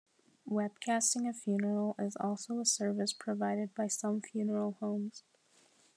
Webcasting a funeral is also a service provided by some funeral homes.